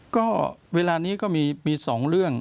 ก็เวลานี้ก็มี๒เรื่อง